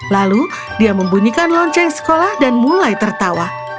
lalu dia membunyikan lonceng sekolah dan mulai tertawa